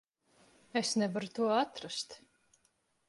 Es nevaru to atrast.